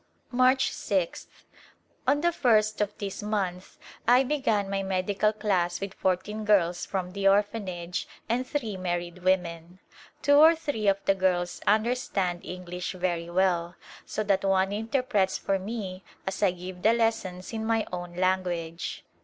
A Glimpse of India March 6th, On the first of this month I began my medical class with fourteen girls from the Orphanage and three married women. Two or three of the girls under stand English very well so that one interprets for me as I give the lessons in my own language.